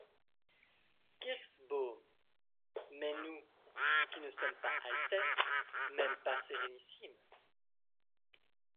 Kirschbaum. — Mais nous qui ne sommes pas Altesses, mêmes pas sérénissimes !…